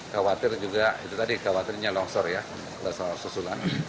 khawatir juga itu tadi khawatirnya longsor ya